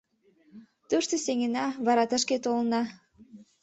Тушто сеҥена, вара тышке толына...